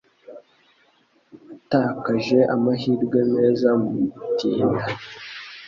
Watakaje amahirwe meza mugutinda.